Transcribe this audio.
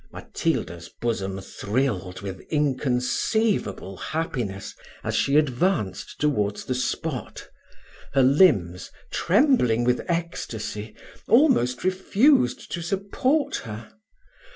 Matilda's bosom thrilled with inconceivable happiness, as she advanced towards the spot: her limbs, trembling with ecstasy, almost refused to support her.